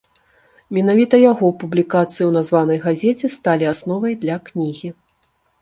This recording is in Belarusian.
Менавіта яго публікацыі ў названай газеце сталі асновай для кнігі.